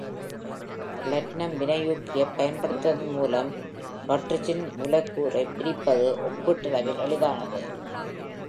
Platinum வினையூக்கியைப் பயன்படுத்துவதன் மூலம் ஹைட்ரஜன் மூலக்கூறைப் பிரிப்பது ஒப்பீட்டளவில் எளிதானது.